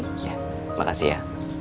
ya makasih ya